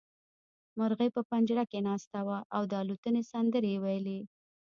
مرغۍ په پنجره کې ناسته وه او د الوتنې سندرې يې ويلې.